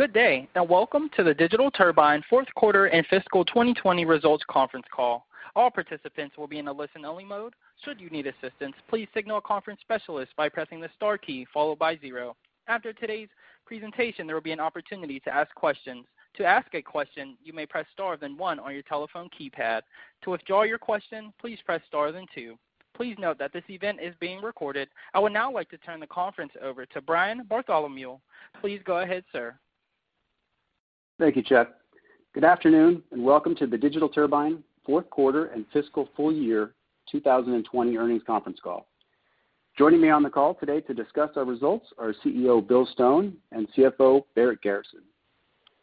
Good day. Welcome to the Digital Turbine fourth quarter and fiscal 2020 results conference call. All participants will be in a listen-only mode. Should you need assistance, please signal a conference specialist by pressing the star key followed by zero. After today's presentation, there will be an opportunity to ask questions. To ask a question, you may press star then one on your telephone keypad. To withdraw your question, please press star then two. Please note that this event is being recorded. I would now like to turn the conference over to Brian Bartholomew. Please go ahead, sir. Thank you, Chad. Good afternoon, and welcome to the Digital Turbine fourth quarter and fiscal full year 2020 earnings conference call. Joining me on the call today to discuss our results are CEO Bill Stone and CFO Barrett Garrison.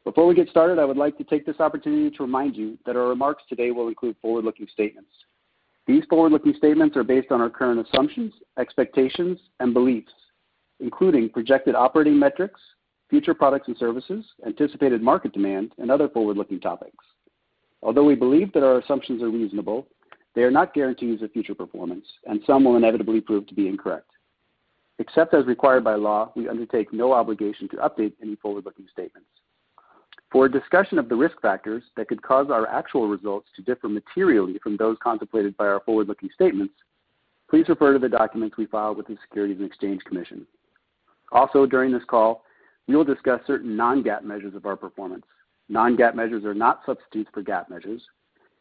Before we get started, I would like to take this opportunity to remind you that our remarks today will include forward-looking statements. These forward-looking statements are based on our current assumptions, expectations, and beliefs, including projected operating metrics, future products and services, anticipated market demand, and other forward-looking topics. Although we believe that our assumptions are reasonable, they are not guarantees of future performance, and some will inevitably prove to be incorrect. Except as required by law, we undertake no obligation to update any forward-looking statements. For a discussion of the risk factors that could cause our actual results to differ materially from those contemplated by our forward-looking statements, please refer to the documents we filed with the Securities and Exchange Commission. During this call, we will discuss certain non-GAAP measures of our performance. Non-GAAP measures are not substitutes for GAAP measures.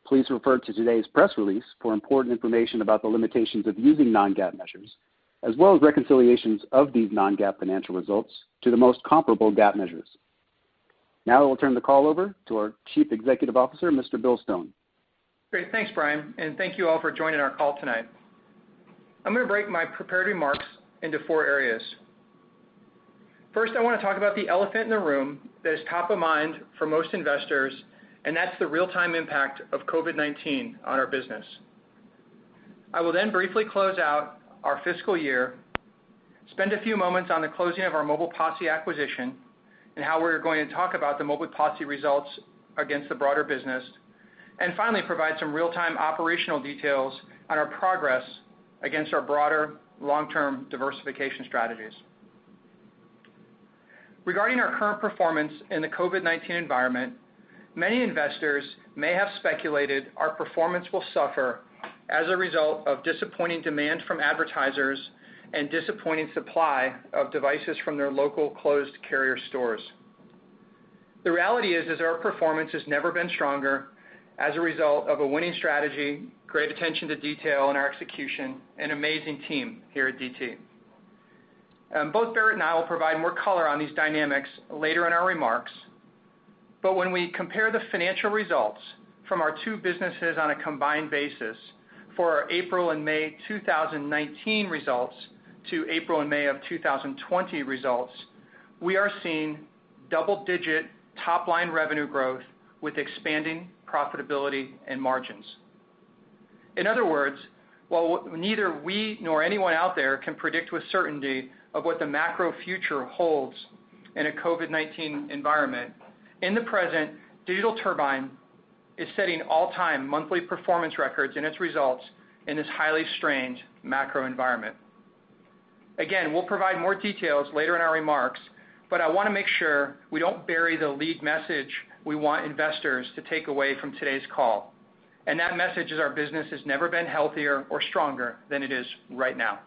Please refer to today's press release for important information about the limitations of using non-GAAP measures, as well as reconciliations of these non-GAAP financial results to the most comparable GAAP measures. Now I will turn the call over to our Chief Executive Officer, Mr. Bill Stone. Great. Thanks, Brian, and thank you all for joining our call tonight. I'm going to break my prepared remarks into four areas. First, I want to talk about the elephant in the room that is top of mind for most investors, and that's the real-time impact of COVID-19 on our business. I will then briefly close out our fiscal year, spend a few moments on the closing of our Mobile Posse acquisition and how we're going to talk about the Mobile Posse results against the broader business, and finally provide some real-time operational details on our progress against our broader long-term diversification strategies. Regarding our current performance in the COVID-19 environment, many investors may have speculated our performance will suffer as a result of disappointing demand from advertisers and disappointing supply of devices from their local closed carrier stores. The reality is, our performance has never been stronger as a result of a winning strategy, great attention to detail in our execution, and amazing team here at DT. Both Barrett and I will provide more color on these dynamics later in our remarks, but when we compare the financial results from our two businesses on a combined basis for our April and May 2019 results to April and May of 2020 results, we are seeing double-digit top-line revenue growth with expanding profitability and margins. In other words, while neither we nor anyone out there can predict with certainty of what the macro future holds in a COVID-19 environment, in the present, Digital Turbine is setting all-time monthly performance records in its results in this highly strange macro environment. We will provide more details later in our remarks, but I want to make sure we don't bury the lead message we want investors to take away from today's call. That message is our business has never been healthier or stronger than it is right now.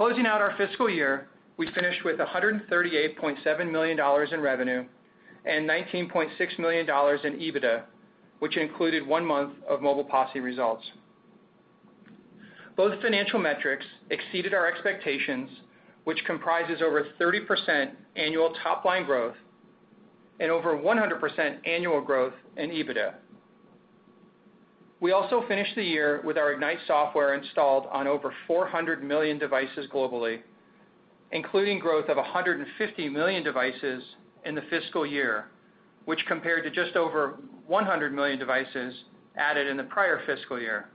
Closing out our fiscal year, we finished with $138.7 million in revenue and $19.6 million in EBITDA, which included one month of Mobile Posse results. Both financial metrics exceeded our expectations, which comprises over 30% annual top-line growth and over 100% annual growth in EBITDA. We also finished the year with our Ignite software installed on over 400 million devices globally, including growth of 150 million devices in the fiscal year, which compared to just over 100 million devices added in the prior fiscal year.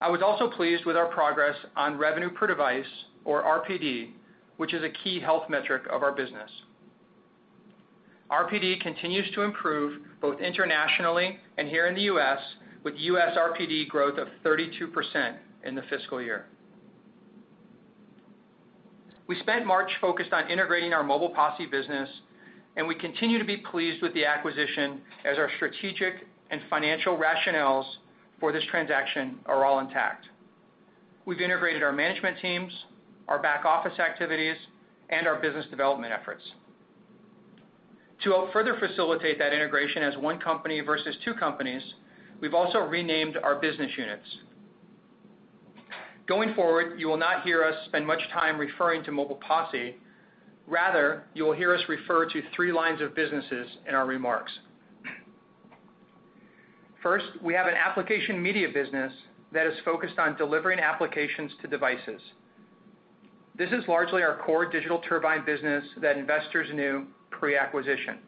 I was also pleased with our progress on revenue per device, or RPD, which is a key health metric of our business. RPD continues to improve both internationally and here in the U.S., with U.S. RPD growth of 32% in the fiscal year. We spent March focused on integrating our Mobile Posse business, and we continue to be pleased with the acquisition as our strategic and financial rationales for this transaction are all intact. We've integrated our management teams, our back-office activities, and our business development efforts. To further facilitate that integration as one company versus two companies, we've also renamed our business units. Going forward, you will not hear us spend much time referring to Mobile Posse. Rather, you will hear us refer to three lines of businesses in our remarks. First, we have an application media business that is focused on delivering applications to devices. This is largely our core Digital Turbine business that investors knew pre-acquisition.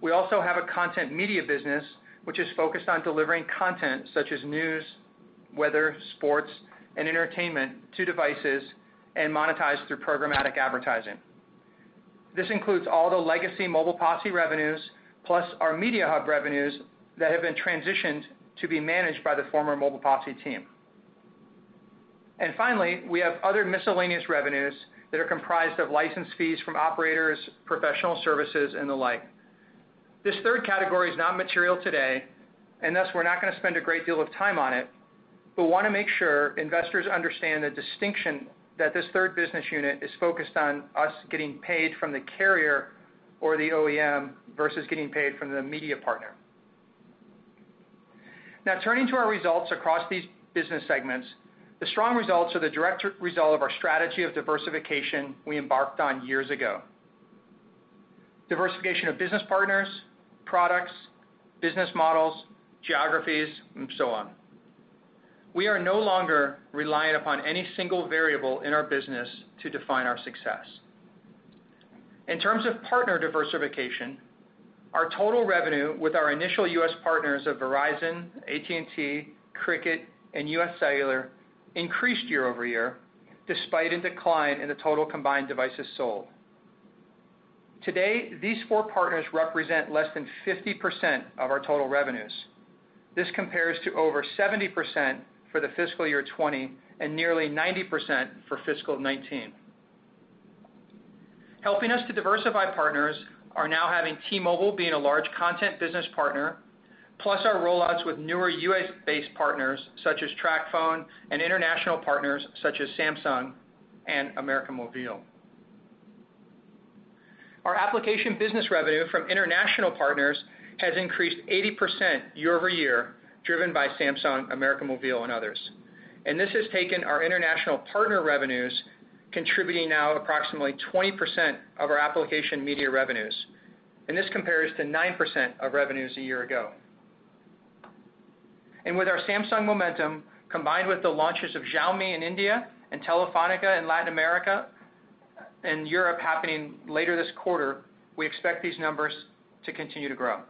We also have a content media business which is focused on delivering content such as news, weather, sports, and entertainment to devices and monetized through programmatic advertising. This includes all the legacy Mobile Posse revenues, plus our Media Hub revenues that have been transitioned to be managed by the former Mobile Posse team. Finally, we have other miscellaneous revenues that are comprised of license fees from operators, professional services, and the like. This third category is not material today, and thus, we're not going to spend a great deal of time on it, but want to make sure investors understand the distinction that this third business unit is focused on us getting paid from the carrier or the OEM versus getting paid from the media partner. Turning to our results across these business segments, the strong results are the direct result of our strategy of diversification we embarked on years ago. Diversification of business partners, products, business models, geographies, and so on. We are no longer reliant upon any single variable in our business to define our success. In terms of partner diversification, our total revenue with our initial U.S. partners of Verizon, AT&T, Cricket, and U.S. Cellular increased year-over-year despite a decline in the total combined devices sold. Today, these four partners represent less than 50% of our total revenues. This compares to over 70% for the fiscal year 2020, and nearly 90% for fiscal 2019. Helping us to diversify partners are now having T-Mobile being a large content business partner, plus our roll-outs with newer U.S.-based partners such as TracFone and international partners such as Samsung and América Móvil. Our application business revenue from international partners has increased 80% year-over-year, driven by Samsung, América Móvil, and others. This has taken our international partner revenues, contributing now approximately 20% of our application media revenues. This compares to 9% of revenues a year ago. With our Samsung momentum, combined with the launches of Xiaomi in India and Telefónica in Latin America and Europe happening later this quarter, we expect these numbers to continue to grow.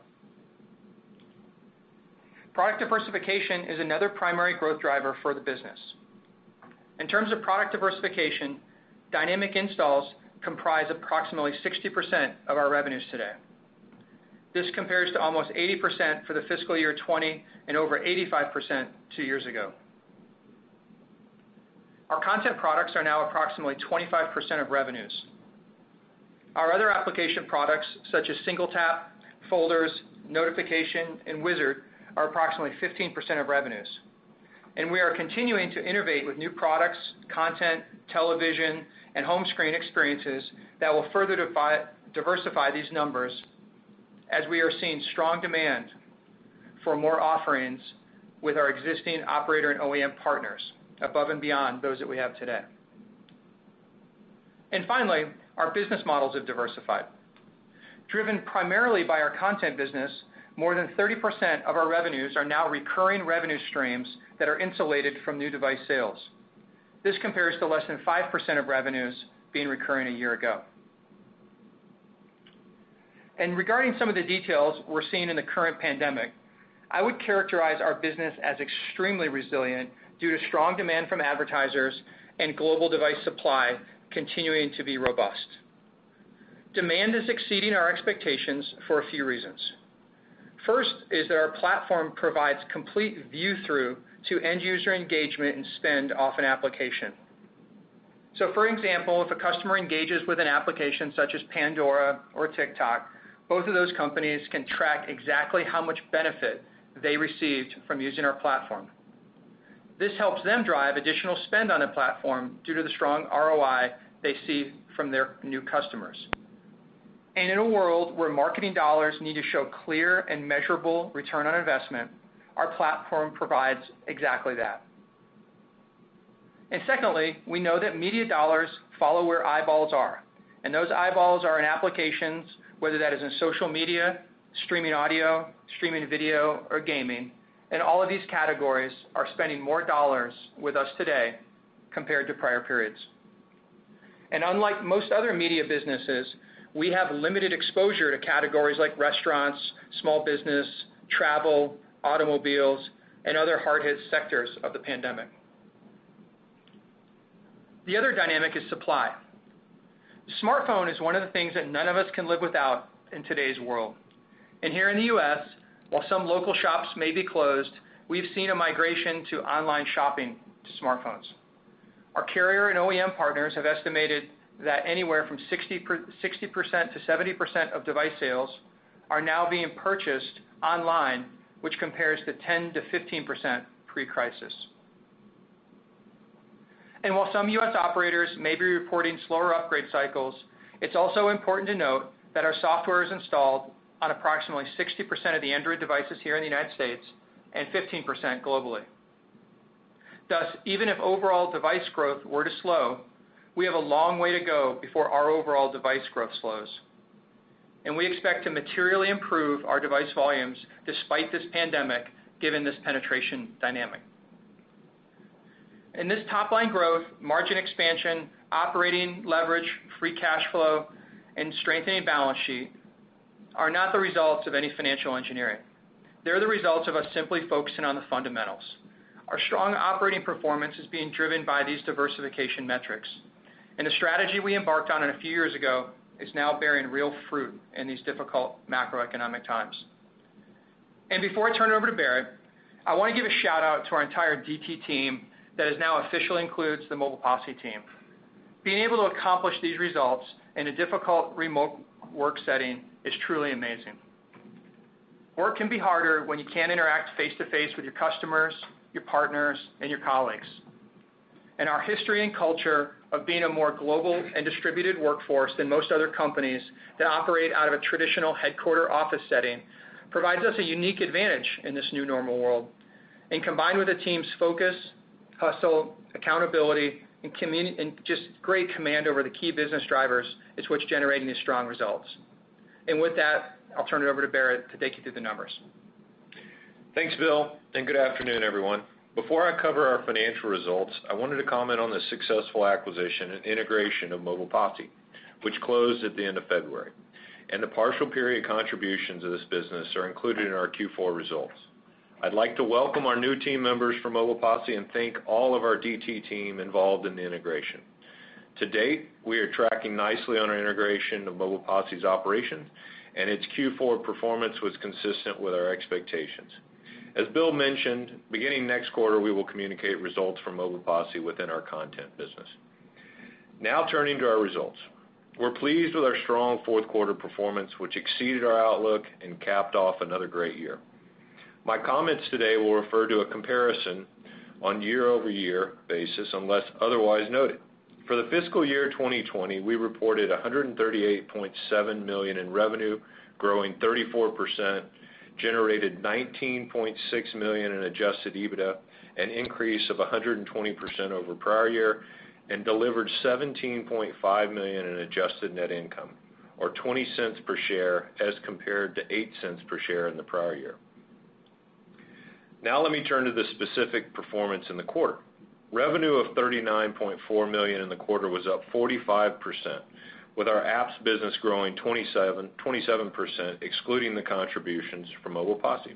Product diversification is another primary growth driver for the business. In terms of product diversification, Dynamic Installs comprise approximately 60% of our revenues today. This compares to almost 80% for the fiscal year 2020, and over 85% two years ago. Our content products are now approximately 25% of revenues. Our other application products such as SingleTap, folders, notification, and Wizard are approximately 15% of revenues. We are continuing to innovate with new products, content, television, and home screen experiences that will further diversify these numbers as we are seeing strong demand for more offerings with our existing operator and OEM partners above and beyond those that we have today. Driven primarily by our content business, more than 30% of our revenues are now recurring revenue streams that are insulated from new device sales. This compares to less than 5% of revenues being recurring a year ago. Regarding some of the details we're seeing in the current pandemic, I would characterize our business as extremely resilient due to strong demand from advertisers and global device supply continuing to be robust. Demand is exceeding our expectations for a few reasons. First is that our platform provides complete view-through to end-user engagement and spend off an application. For example, if a customer engages with an application such as Pandora or TikTok, both of those companies can track exactly how much benefit they received from using our platform. This helps them drive additional spend on a platform due to the strong ROI they see from their new customers. In a world where marketing dollars need to show clear and measurable return on investment, our platform provides exactly that. Secondly, we know that media dollars follow where eyeballs are, and those eyeballs are in applications, whether that is in social media, streaming audio, streaming video, or gaming. All of these categories are spending more dollars with us today compared to prior periods. Unlike most other media businesses, we have limited exposure to categories like restaurants, small business, travel, automobiles, and other hard-hit sectors of the pandemic. The other dynamic is supply. Smartphone is one of the things that none of us can live without in today's world. Here in the U.S., while some local shops may be closed, we've seen a migration to online shopping to smartphones. Our carrier and OEM partners have estimated that anywhere from 60%-70% of device sales are now being purchased online, which compares to 10%-15% pre-crisis. While some U.S. operators may be reporting slower upgrade cycles, it's also important to note that our software is installed on approximately 60% of the Android devices here in the United States and 15% globally. Even if overall device growth were to slow, we have a long way to go before our overall device growth slows. We expect to materially improve our device volumes despite this pandemic given this penetration dynamic. This top-line growth, margin expansion, operating leverage, free cash flow, and strengthening balance sheet are not the results of any financial engineering. They're the results of us simply focusing on the fundamentals. Our strong operating performance is being driven by these diversification metrics, and the strategy we embarked on a few years ago is now bearing real fruit in these difficult macroeconomic times. Before I turn it over to Barrett, I want to give a shout-out to our entire DT team that now officially includes the Mobile Posse team. Being able to accomplish these results in a difficult remote work setting is truly amazing. Work can be harder when you can't interact face-to-face with your customers, your partners, and your colleagues. Our history and culture of being a more global and distributed workforce than most other companies that operate out of a traditional headquarter office setting provides us a unique advantage in this new normal world. Combined with the team's focus, hustle, accountability, and just great command over the key business drivers, it's what's generating these strong results. With that, I'll turn it over to Barrett to take you through the numbers. Thanks, Bill. Good afternoon, everyone. Before I cover our financial results, I wanted to comment on the successful acquisition and integration of Mobile Posse, which closed at the end of February. The partial period contributions of this business are included in our Q4 results. I'd like to welcome our new team members from Mobile Posse and thank all of our DT team involved in the integration. To date, we are tracking nicely on our integration of Mobile Posse's operations, and its Q4 performance was consistent with our expectations. As Bill mentioned, beginning next quarter, we will communicate results from Mobile Posse within our content business. Turning to our results. We're pleased with our strong fourth quarter performance, which exceeded our outlook and capped off another great year. My comments today will refer to a comparison on year-over-year basis unless otherwise noted. For the fiscal year 2020, we reported $138.7 million in revenue, growing 34%, generated $19.6 million in adjusted EBITDA, an increase of 120% over prior year, and delivered $17.5 million in adjusted net income, or $0.20 per share as compared to $0.08 per share in the prior year. Let me turn to the specific performance in the quarter. Revenue of $39.4 million in the quarter was up 45%, with our apps business growing 27%, excluding the contributions from Mobile Posse.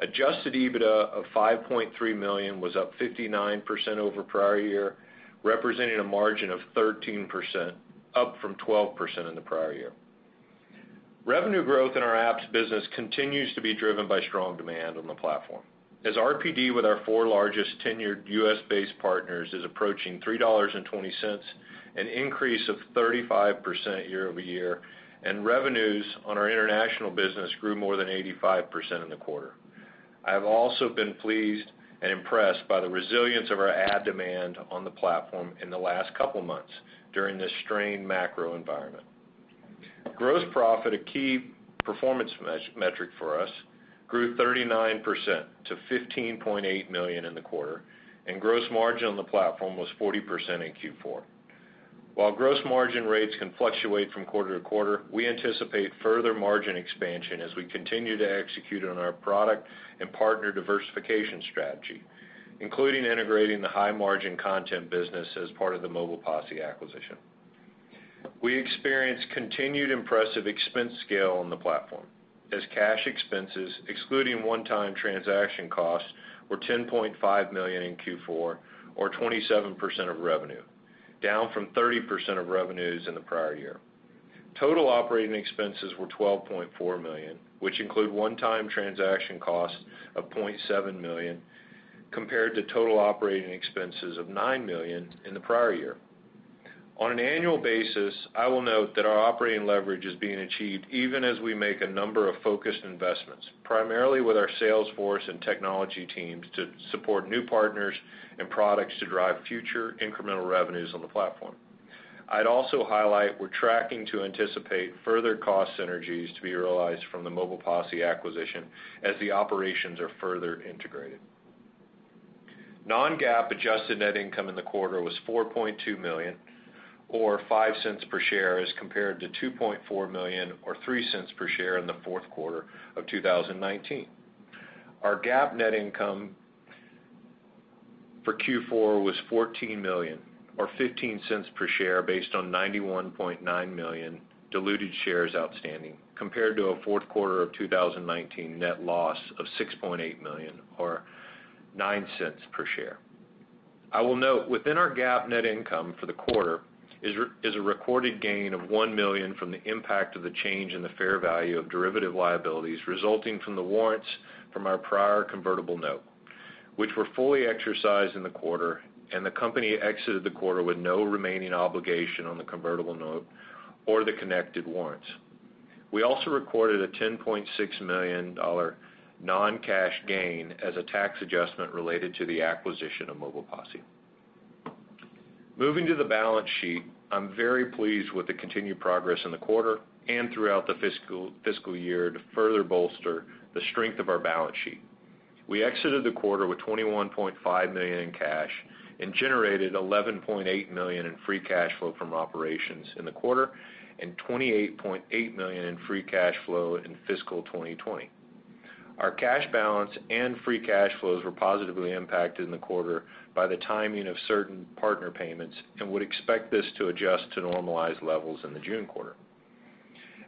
Adjusted EBITDA of $5.3 million was up 59% over prior year, representing a margin of 13%, up from 12% in the prior year. Revenue growth in our apps business continues to be driven by strong demand on the platform. As RPD with our four largest tenured U.S.-based partners is approaching $3.20, an increase of 35% year-over-year, and revenues on our international business grew more than 85% in the quarter. I've also been pleased and impressed by the resilience of our ad demand on the platform in the last couple of months during this strained macro environment. Gross profit, a key performance metric for us, grew 39% to $15.8 million in the quarter, and gross margin on the platform was 40% in Q4. While gross margin rates can fluctuate from quarter-to-quarter, we anticipate further margin expansion as we continue to execute on our product and partner diversification strategy, including integrating the high-margin content business as part of the Mobile Posse acquisition. We experienced continued impressive expense scale on the platform as cash expenses, excluding one-time transaction costs, were $10.5 million in Q4, or 27% of revenue, down from 30% of revenues in the prior year. Total operating expenses were $12.4 million, which include one-time transaction costs of $0.7 million, compared to total operating expenses of $9 million in the prior year. On an annual basis, I will note that our operating leverage is being achieved even as we make a number of focused investments, primarily with our sales force and technology teams to support new partners and products to drive future incremental revenues on the platform. I'd also highlight we're tracking to anticipate further cost synergies to be realized from the Mobile Posse acquisition as the operations are further integrated. Non-GAAP adjusted net income in the quarter was $4.2 million or $0.05 per share as compared to $2.4 million or $0.03 per share in the fourth quarter of 2019. Our GAAP net income for Q4 was $14 million or $0.15 per share based on 91.9 million diluted shares outstanding, compared to a fourth quarter of 2019 net loss of $6.8 million or $0.09 per share. I will note within our GAAP net income for the quarter is a recorded gain of $1 million from the impact of the change in the fair value of derivative liabilities resulting from the warrants from our prior convertible note, which were fully exercised in the quarter, and the company exited the quarter with no remaining obligation on the convertible note or the connected warrants. We also recorded a $10.6 million non-cash gain as a tax adjustment related to the acquisition of Mobile Posse. Moving to the balance sheet, I'm very pleased with the continued progress in the quarter and throughout the fiscal year to further bolster the strength of our balance sheet. We exited the quarter with $21.5 million in cash and generated $11.8 million in free cash flow from operations in the quarter and $28.8 million in free cash flow in fiscal 2020. Our cash balance and free cash flows were positively impacted in the quarter by the timing of certain partner payments and would expect this to adjust to normalized levels in the June quarter.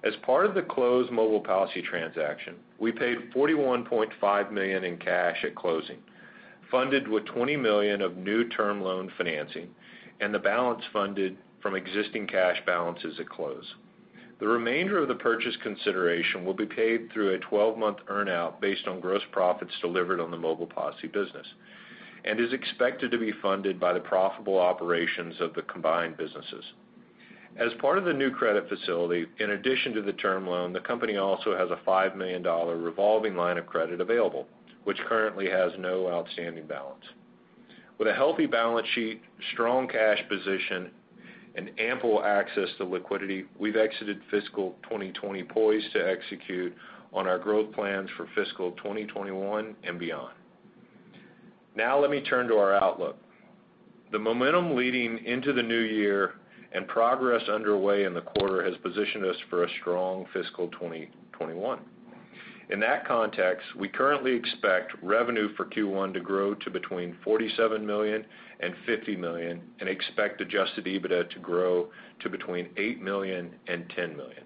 As part of the closed Mobile Posse transaction, we paid $41.5 million in cash at closing, funded with $20 million of new term loan financing and the balance funded from existing cash balances at close. The remainder of the purchase consideration will be paid through a 12-month earn-out based on gross profits delivered on the Mobile Posse business and is expected to be funded by the profitable operations of the combined businesses. As part of the new credit facility, in addition to the term loan, the company also has a $5 million revolving line of credit available, which currently has no outstanding balance. With a healthy balance sheet, strong cash position, and ample access to liquidity, we've exited fiscal 2020 poised to execute on our growth plans for fiscal 2021 and beyond. Now let me turn to our outlook. The momentum leading into the new year and progress underway in the quarter has positioned us for a strong fiscal 2021. In that context, we currently expect revenue for Q1 to grow to between $47 million and $50 million and expect adjusted EBITDA to grow to between $8 million and $10 million.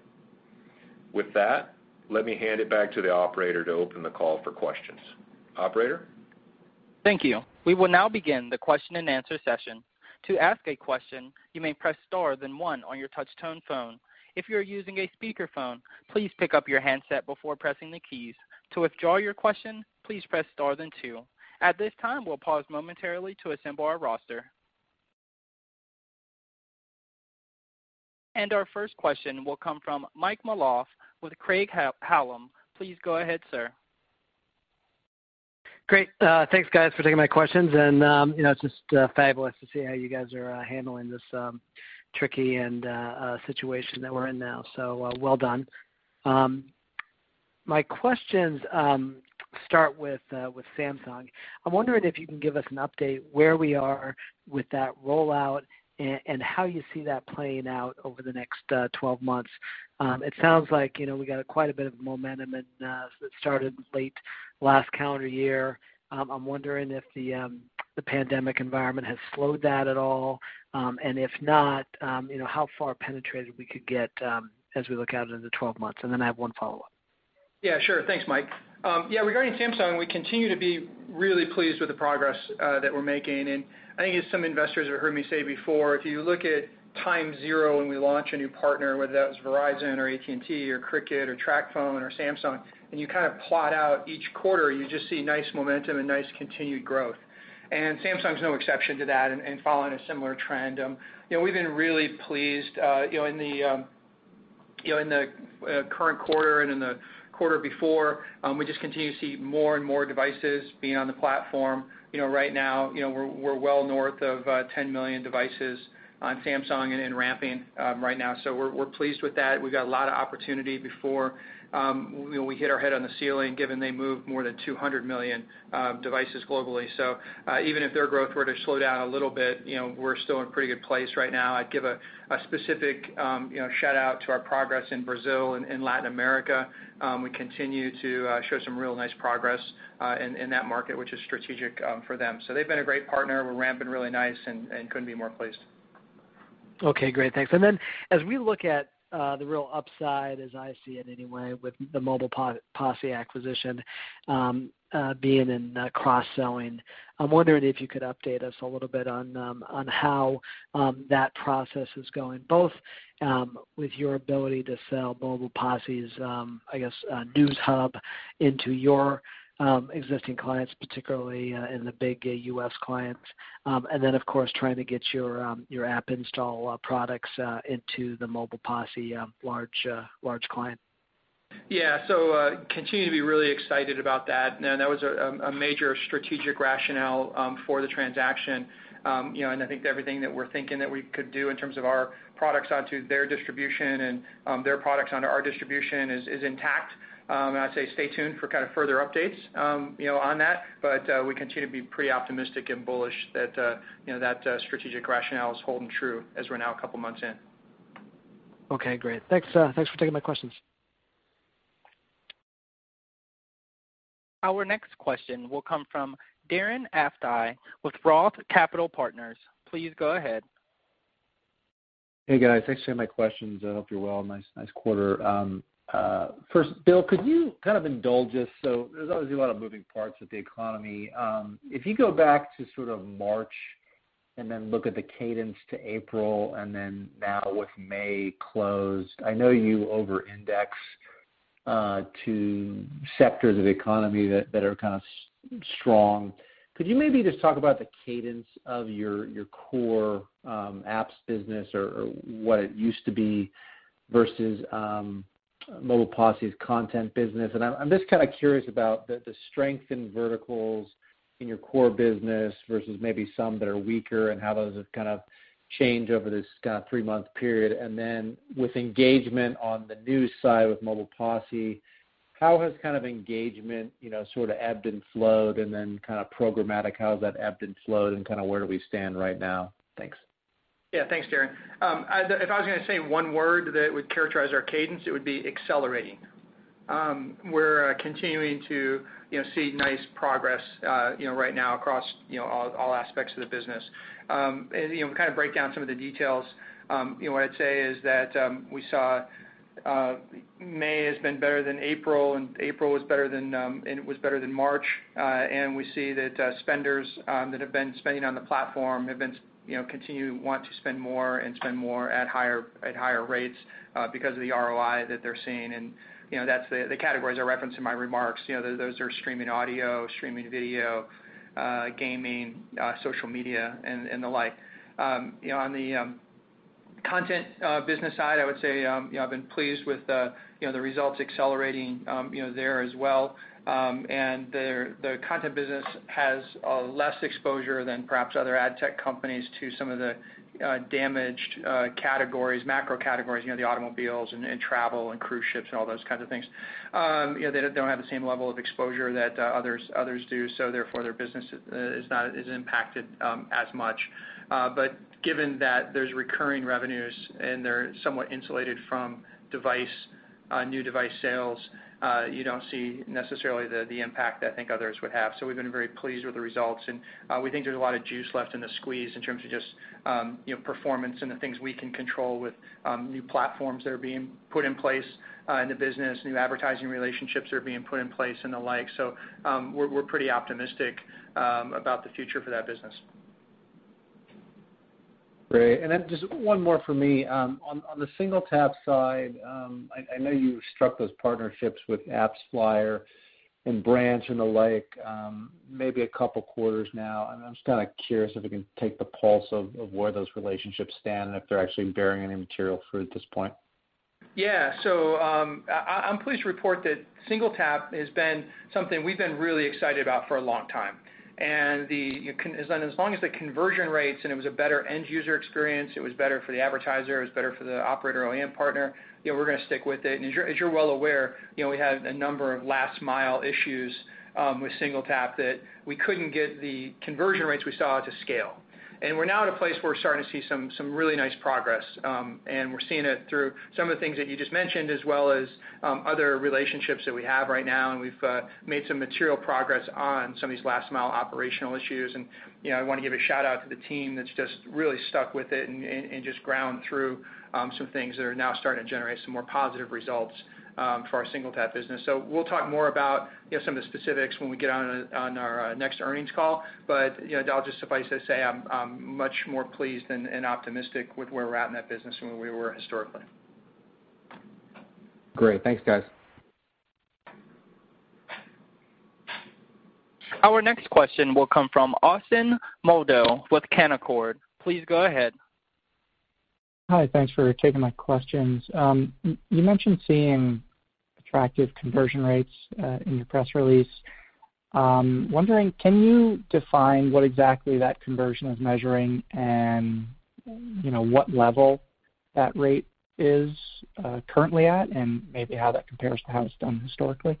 With that, let me hand it back to the operator to open the call for questions. Operator? Thank you. We will now begin the question and answer session. To ask a question, you may press star then one on your touch-tone phone. If you are using a speakerphone, please pick up your handset before pressing the keys. To withdraw your question, please press star then two. At this time, we'll pause momentarily to assemble our roster. Our first question will come from Mike Malouf with Craig-Hallum. Please go ahead, sir. Great. Thanks, guys, for taking my questions. It's just fabulous to see how you guys are handling this tricky situation that we're in now. Well done. My questions start with Samsung. I'm wondering if you can give us an update where we are with that rollout and how you see that playing out over the next 12 months. It sounds like we got quite a bit of momentum that started late last calendar year. I'm wondering if the pandemic environment has slowed that at all. If not, how far penetrated we could get as we look out into 12 months. Then I have one follow-up. Yeah, sure. Thanks, Mike. Yeah, regarding Samsung, we continue to be really pleased with the progress that we're making, and I think as some investors have heard me say before, if you look at time zero when we launch a new partner, whether that was Verizon or AT&T or Cricket or TracFone or Samsung, and you kind of plot out each quarter, you just see nice momentum and nice continued growth. Samsung is no exception to that and following a similar trend. We've been really pleased. In the current quarter and in the quarter before, we just continue to see more and more devices being on the platform. Right now, we're well north of 10 million devices on Samsung and ramping right now. We're pleased with that. We've got a lot of opportunity before we hit our head on the ceiling, given they move more than 200 million devices globally. Even if their growth were to slow down a little bit, we're still in a pretty good place right now. I'd give a specific shout-out to our progress in Brazil and in Latin America. We continue to show some real nice progress in that market, which is strategic for them. They've been a great partner. We're ramping really nice and couldn't be more pleased. Okay, great. Thanks. As we look at the real upside, as I see it anyway, with the Mobile Posse acquisition being in cross-selling, I'm wondering if you could update us a little bit on how that process is going, both with your ability to sell Mobile Posse's NewsHub into your existing clients, particularly in the big U.S. clients, and then, of course, trying to get your app install products into the Mobile Posse large client. Continue to be really excited about that. That was a major strategic rationale for the transaction. I think everything that we're thinking that we could do in terms of our products onto their distribution and their products onto our distribution is intact. I'd say stay tuned for kind of further updates on that. We continue to be pretty optimistic and bullish that strategic rationale is holding true as we're now a couple of months in. Okay, great. Thanks for taking my questions. Our next question will come from Darren Aftahi with ROTH Capital Partners. Please go ahead. Hey, guys. Thanks for taking my questions. I hope you're well. Nice quarter. First, Bill, could you kind of indulge us? There's obviously a lot of moving parts with the economy. If you go back to sort of March and then look at the cadence to April and then now with May closed, I know you over-index to sectors of the economy that are kind of strong. Could you maybe just talk about the cadence of your core apps business or what it used to be versus Mobile Posse's content business? I'm just kind of curious about the strength in verticals in your core business versus maybe some that are weaker and how those have kind of changed over this three-month period. Then with engagement on the news side with Mobile Posse, how has kind of engagement sort of ebbed and flowed and then kind of programmatic, how has that ebbed and flowed and kind of where do we stand right now? Thanks. Yeah. Thanks, Darren. If I was going to say one word that would characterize our cadence, it would be accelerating. We're continuing to see nice progress right now across all aspects of the business. To kind of break down some of the details, what I'd say is that we saw May has been better than April, and April was better than March. We see that spenders that have been spending on the platform continue to want to spend more and spend more at higher rates because of the ROI that they're seeing. The categories I referenced in my remarks, those are streaming audio, streaming video, gaming, social media, and the like. On the content business side, I would say I've been pleased with the results accelerating there as well. The content business has less exposure than perhaps other ad tech companies to some of the damaged categories, macro categories, the automobiles and travel and cruise ships and all those kinds of things. They don't have the same level of exposure that others do. Therefore, their business is impacted as much. Given that there's recurring revenues and they're somewhat insulated from new device sales, you don't see necessarily the impact I think others would have. We've been very pleased with the results, and we think there's a lot of juice left in the squeeze in terms of just performance and the things we can control with new platforms that are being put in place in the business, new advertising relationships that are being put in place and the like. We're pretty optimistic about the future for that business. Great. Just one more from me. On the SingleTap side, I know you struck those partnerships with AppsFlyer and Branch and the like maybe a couple quarters now, and I'm just kind of curious if we can take the pulse of where those relationships stand and if they're actually bearing any material fruit at this point. Yeah. I'm pleased to report that SingleTap has been something we've been really excited about for a long time. As long as the conversion rates and it was a better end user experience, it was better for the advertiser, it was better for the operator OEM partner, we're going to stick with it. As you're well aware, we had a number of last mile issues with SingleTap that we couldn't get the conversion rates we saw to scale. We're now at a place where we're starting to see some really nice progress. We're seeing it through some of the things that you just mentioned, as well as other relationships that we have right now. We've made some material progress on some of these last mile operational issues, and I want to give a shout-out to the team that's just really stuck with it and just ground through some things that are now starting to generate some more positive results for our SingleTap business. We'll talk more about some of the specifics when we get on our next earnings call. That'll just suffice to say I'm much more pleased and optimistic with where we're at in that business than where we were historically. Great. Thanks, guys. Our next question will come from Austin Moldow with Canaccord. Please go ahead. Hi. Thanks for taking my questions. You mentioned seeing attractive conversion rates in your press release. I'm wondering, can you define what exactly that conversion is measuring and what level that rate is currently at and maybe how that compares to how it's done historically?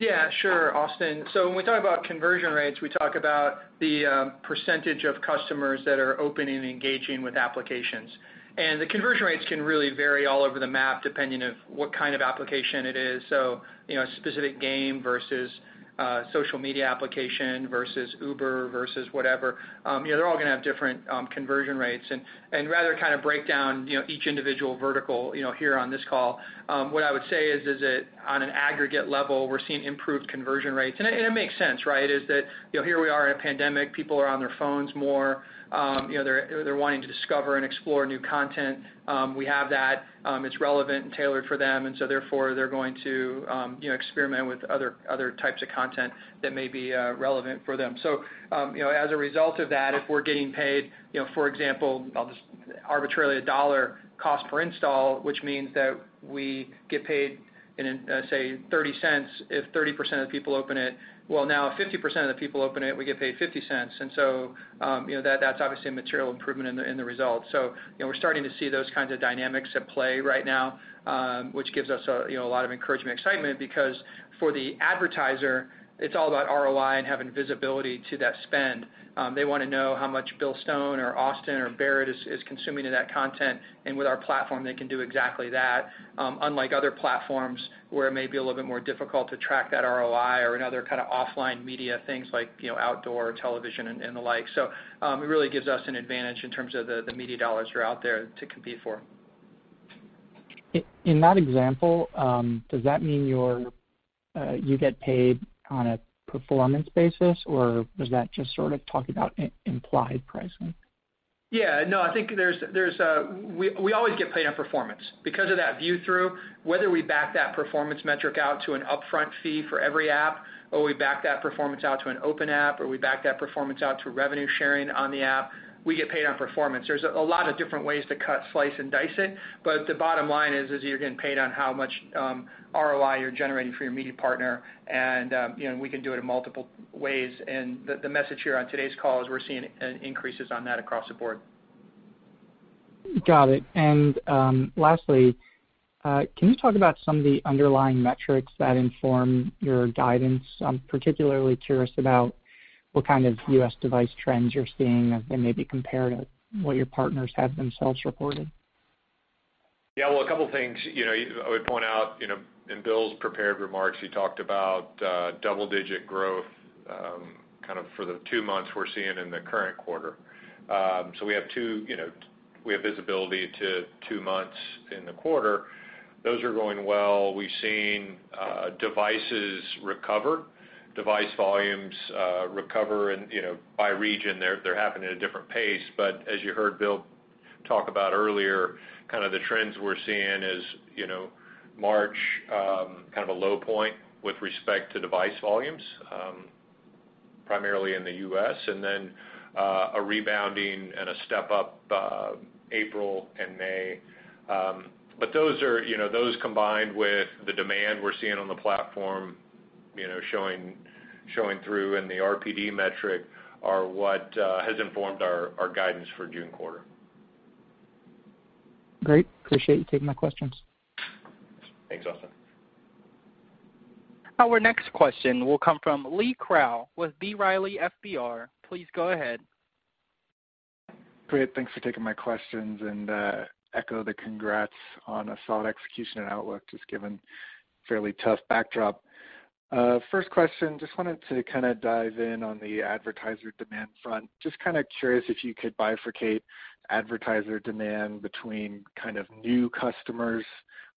Yeah, sure, Austin. When we talk about conversion rates, we talk about the percentage of customers that are opening and engaging with applications. The conversion rates can really vary all over the map, depending of what kind of application it is. A specific game versus a social media application versus Uber versus whatever. They're all going to have different conversion rates. Rather than kind of break down each individual vertical here on this call, what I would say is that on an aggregate level, we're seeing improved conversion rates. It makes sense, right? Is that here we are in a pandemic, people are on their phones more. They're wanting to discover and explore new content. We have that. It's relevant and tailored for them, therefore, they're going to experiment with other types of content that may be relevant for them. As a result of that, if we're getting paid, for example, I'll just arbitrarily, a $1 cost per install, which means that we get paid in, say, $0.30 if 30% of the people open it. Now if 50% of the people open it, we get paid $0.50. That's obviously a material improvement in the results. We're starting to see those kinds of dynamics at play right now, which gives us a lot of encouragement and excitement because for the advertiser, it's all about ROI and having visibility to that spend. They want to know how much Bill Stone or Austin or Barrett is consuming of that content. With our platform, they can do exactly that, unlike other platforms where it may be a little bit more difficult to track that ROI or in other kind of offline media things like outdoor television and the like. It really gives us an advantage in terms of the media dollars that are out there to compete for. In that example, does that mean you get paid on a performance basis, or was that just sort of talking about implied pricing? I think we always get paid on performance because of that view-through, whether we back that performance metric out to an upfront fee for every app, or we back that performance out to an open app, or we back that performance out to revenue sharing on the app, we get paid on performance. There's a lot of different ways to cut, slice, and dice it, but the bottom line is you're getting paid on how much ROI you're generating for your media partner, and we can do it in multiple ways. The message here on today's call is we're seeing increases on that across the board. Got it. Lastly, can you talk about some of the underlying metrics that inform your guidance? I'm particularly curious about what kind of U.S. device trends you're seeing and maybe compare to what your partners have themselves reported. Well, a couple things. I would point out in Bill's prepared remarks, he talked about double-digit growth for the two months we're seeing in the current quarter. We have visibility to two months in the quarter. Those are going well. We've seen devices recover, device volumes recover by region. They're happening at a different pace. As you heard Bill talk about earlier, the trends we're seeing is March, kind of a low point with respect to device volumes, primarily in the U.S., and then a rebounding and a step up April and May. Those combined with the demand we're seeing on the platform showing through in the RPD metric are what has informed our guidance for June quarter. Great. Appreciate you taking my questions. Thanks, Austin. Our next question will come from Lee Krowl with B. Riley FBR. Please go ahead. Great. Thanks for taking my questions, and echo the congrats on a solid execution and outlook just given fairly tough backdrop. First question, just wanted to dive in on the advertiser demand front. Just curious if you could bifurcate advertiser demand between new customers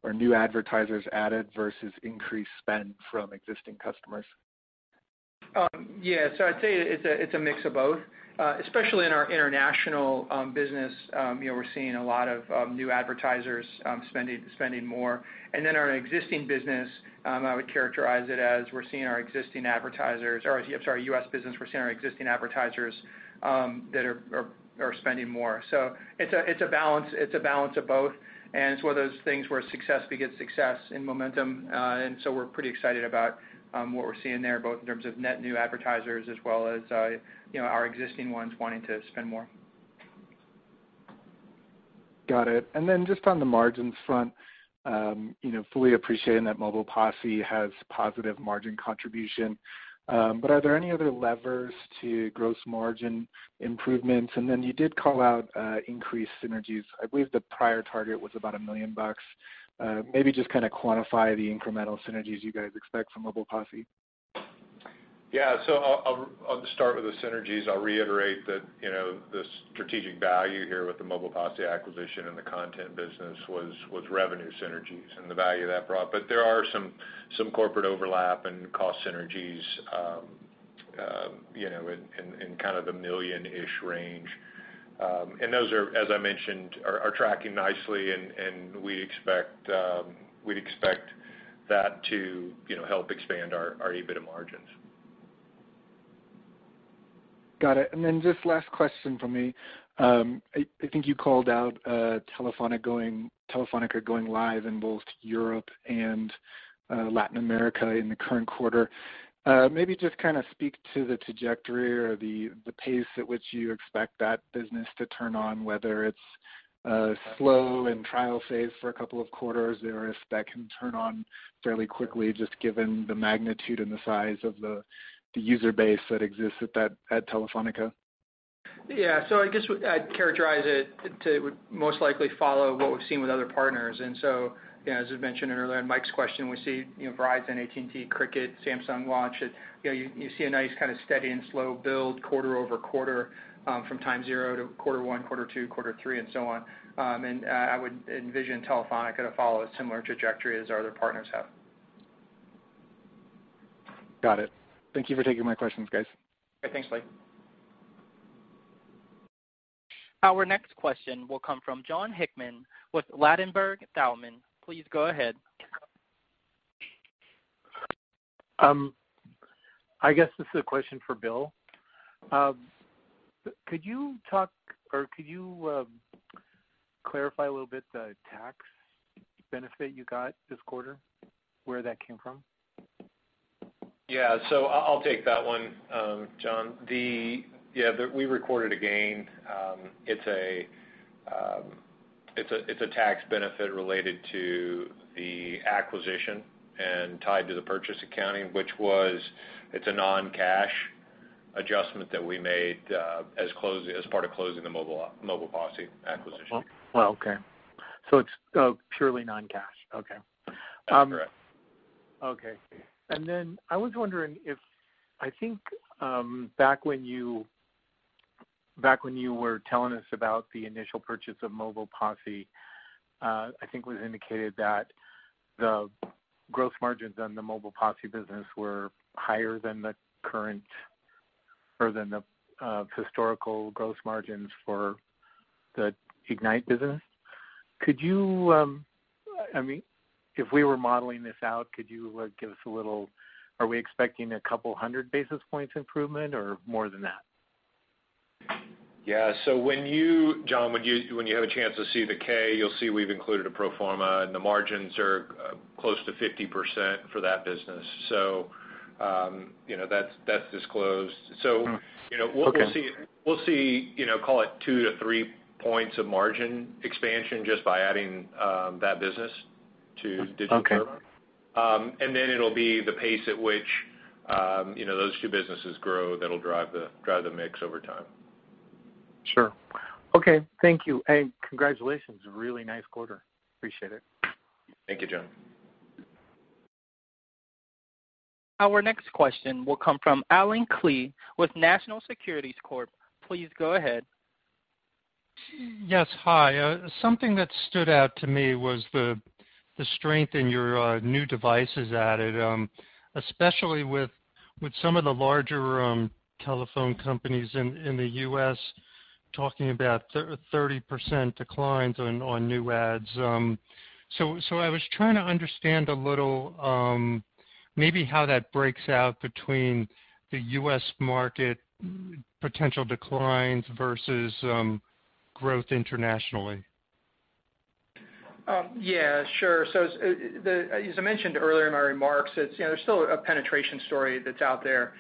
or new advertisers added versus increased spend from existing customers. Yeah. I'd say it's a mix of both. Especially in our international business, we're seeing a lot of new advertisers spending more. Our existing business, I would characterize it as, or I'm sorry, U.S. business, we're seeing our existing advertisers that are spending more. It's a balance of both, and it's one of those things where success begets success and momentum. We're pretty excited about what we're seeing there, both in terms of net new advertisers as well as our existing ones wanting to spend more. Got it. Just on the margins front, fully appreciating that Mobile Posse has positive margin contribution. Are there any other levers to gross margin improvements? You did call out increased synergies. I believe the prior target was about $1 million. Maybe just quantify the incremental synergies you guys expect from Mobile Posse. Yeah. I'll start with the synergies. I'll reiterate that the strategic value here with the Mobile Posse acquisition and the content business was revenue synergies and the value that brought. There are some corporate overlap and cost synergies in kind of the $1 million-ish range. Those, as I mentioned, are tracking nicely, and we'd expect that to help expand our EBITDA margins. Got it. Just last question from me. I think you called out Telefónica going live in both Europe and Latin America in the current quarter. Maybe just speak to the trajectory or the pace at which you expect that business to turn on, whether it's slow and trial phase for a couple of quarters, or if that can turn on fairly quickly, just given the magnitude and the size of the user base that exists at Telefónica? I guess I'd characterize it to most likely follow what we've seen with other partners. As I mentioned earlier in Mike's question, we see Verizon, AT&T, Cricket, Samsung watch it. You see a nice steady and slow build quarter-over-quarter from time zero to quarter one, quarter two, quarter three, and so on. I would envision Telefónica to follow a similar trajectory as our other partners have. Got it. Thank you for taking my questions, guys. Thanks, Lee. Our next question will come from Jon Hickman with Ladenburg Thalmann. Please go ahead. I guess this is a question for Bill. Could you clarify a little bit the tax benefit you got this quarter, where that came from? Yeah. I'll take that one, Jon. We recorded a gain. It's a tax benefit related to the acquisition and tied to the purchase accounting, it's a non-cash adjustment that we made as part of closing the Mobile Posse acquisition. Okay. It's purely non-cash. Okay. That's correct. Okay. I was wondering if, I think back when you were telling us about the initial purchase of Mobile Posse, I think it was indicated that the gross margins on the Mobile Posse business were higher than the current or than the historical gross margins for the Ignite business. If we were modeling this out, could you give us a little, are we expecting a couple hundred basis points improvement or more than that? Yeah. Jon, when you have a chance to see the K, you'll see we've included a pro forma, and the margins are close to 50% for that business. That's disclosed. Okay. We'll see, call it two to three points of margin expansion just by adding that business to Digital Turbine. Okay. It'll be the pace at which those two businesses grow that'll drive the mix over time. Sure. Okay. Thank you. Congratulations, a really nice quarter. Appreciate it. Thank you, Jon. Our next question will come from Allen Klee with National Securities Corp. Please go ahead. Yes. Hi. Something that stood out to me was the strength in your new devices added, especially with some of the larger telephone companies in the U.S. talking about 30% declines on new adds. I was trying to understand a little maybe how that breaks out between the U.S. market potential declines versus growth internationally. Yeah, sure. As I mentioned earlier in my remarks, there's still a penetration story that's out there.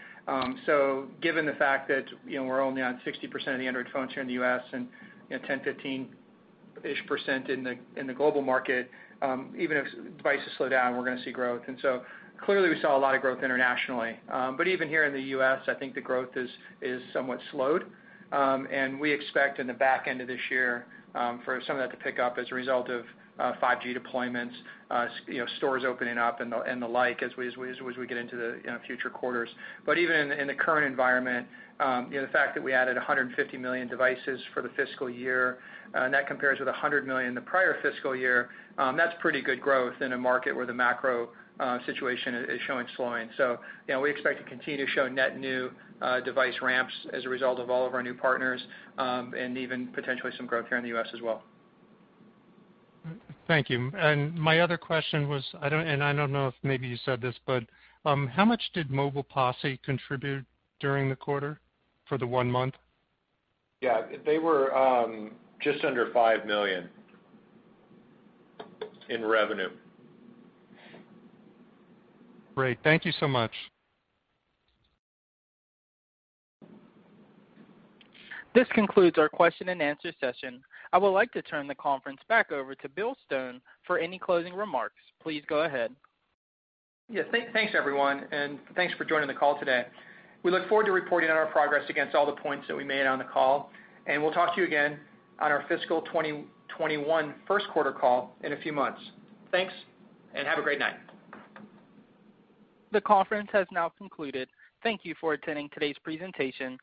Given the fact that we're only on 60% of the Android phones here in the U.S. and 10%-15% in the global market, even if devices slow down, we're going to see growth. Clearly we saw a lot of growth internationally. Even here in the U.S., I think the growth is somewhat slowed. We expect in the back end of this year for some of that to pick up as a result of 5G deployments, stores opening up, and the like, as we get into the future quarters. Even in the current environment, the fact that we added 150 million devices for the fiscal year, and that compares with 100 million in the prior fiscal year, that's pretty good growth in a market where the macro situation is showing slowing. We expect to continue to show net new device ramps as a result of all of our new partners, and even potentially some growth here in the U.S. as well. Thank you. My other question was, I don't know if maybe you said this, how much did Mobile Posse contribute during the quarter for the one month? Yeah. They were just under $5 million in revenue. Great. Thank you so much. This concludes our question and answer session. I would like to turn the conference back over to Bill Stone for any closing remarks. Please go ahead. Yeah. Thanks everyone, thanks for joining the call today. We look forward to reporting on our progress against all the points that we made on the call, and we'll talk to you again on our fiscal 2021 first quarter call in a few months. Thanks, and have a great night. The conference has now concluded. Thank you for attending today's presentation.